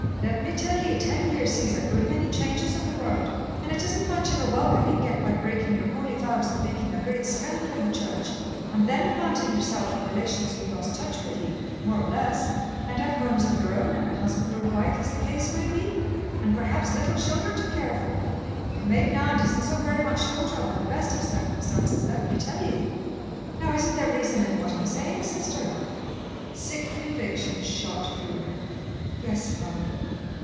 "Let me tell ye, ten years sees a good many changes in the world, and it isn't much of a welcome ye'd get by breaking your holy vows and making a great scandal in the Church, and then planting yourself on relations who've lost touch with ye, more or less, and have homes of their own, and a husband or wife, as the case may be, and perhaps little children to care for. A maiden aunt isn't so very much thought of, in the best of circumstances, let me tell ye. "Now isn't there reason in what I'm saying, Sister?" Sick conviction shot through her. "Yes, Father."